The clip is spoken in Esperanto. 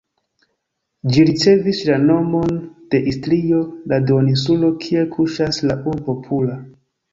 Ĝi ricevis la nomon de Istrio, la duoninsulo kie kuŝas la urbo Pula.